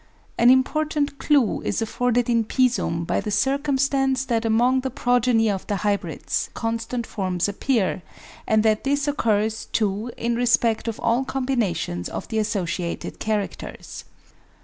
An important clue is afforded in Pisum by the circum stance that among the progeny of the hybrids constant forms appear, and that this occurs, too, in respect of all combinations of the associated characters.